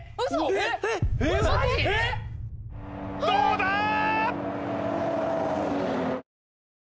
どうだ！？